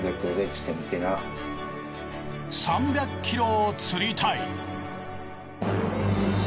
３００キロを釣りたい。